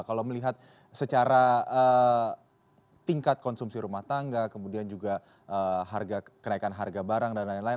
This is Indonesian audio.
kalau melihat secara tingkat konsumsi rumah tangga kemudian juga kenaikan harga barang dan lain lain